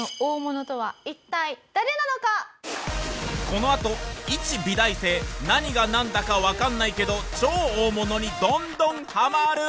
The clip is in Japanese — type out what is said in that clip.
このあといち美大生何がなんだかわかんないけど超大物にどんどんハマる！